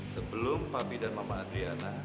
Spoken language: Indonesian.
sebelum papi dan mama adriana